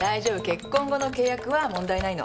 結婚後の契約は問題ないの。